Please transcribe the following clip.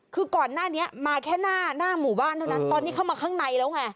คือก่อนหน้านี้มาแค่หน้าหมู่บ้านเท่านั้นตอนนี้เข้ามาข้างในแล้วไง